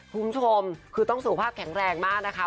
คุณผู้ชมคือต้องสุขภาพแข็งแรงมากนะคะ